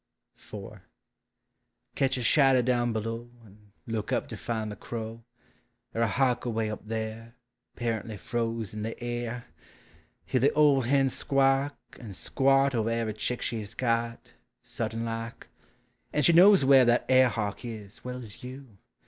110 POEMS OF NATURE. IV. Ketch a shadder down below, And look up to find the crow ; Er a hawk away up there, 'Pearantly froze in the air !— Hear the old hen squawk, and squat Over every chick she 's got, Sudden like !— And she knows where That air hawk is, well as vou!